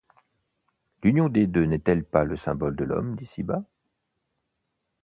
L'union des deux n'est-elle pas le symbole de l'homme d'ici-bas?